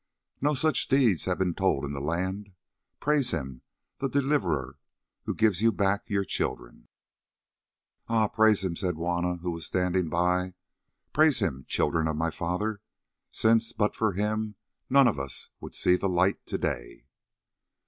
"No such deeds have been told of in the land. Praise him, the Deliverer, who gives you back your children!" "Ay, praise him!" said Juanna, who was standing by. "Praise him, children of my father, since but for him none of us would see the light to day."